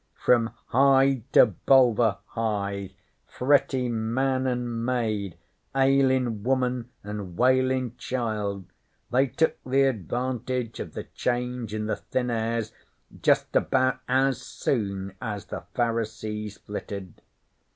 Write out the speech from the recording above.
From Hithe to Bulverhithe, fretty man an' maid, ailin' woman an' wailin' child, they took the advantage of the change in the thin airs just about as soon as the Pharisees flitted.